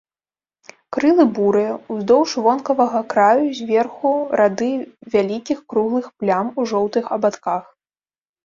Крылы бурыя, уздоўж вонкавага краю зверху рады вялікіх круглых плям у жоўтых абадках.